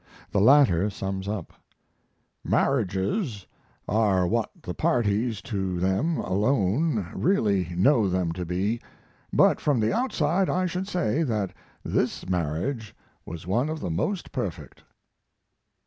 The latter sums up: Marriages are what the parties to them alone really know them to be, but from the outside I should say that this marriage was one of the most perfect.